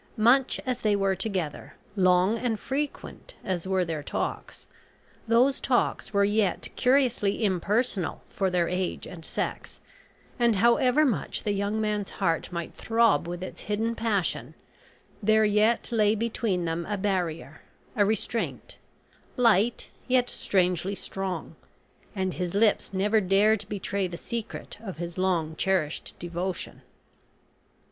Much as they were together, long and frequent as were their talks, those talks were yet curiously impersonal for their age and sex, and, however much the young man's heart might throb with its hidden passion, there yet lay between them a barrier, a restraint, light, yet strangely strong, and his lips never dared betray the secret of his long cherished devotion.